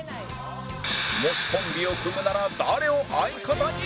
もしコンビを組むなら誰を相方に？